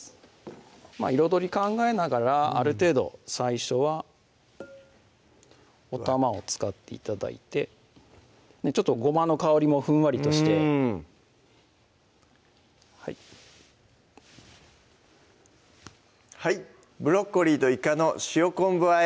彩り考えながらある程度最初はおたまを使って頂いてちょっとごまの香りもふんわりとしてはい「ブロッコリーといかの塩昆布和え」